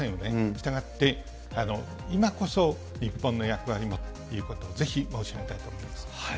したがって、今こそ日本の役割もということをぜひ申し上げたいと思います。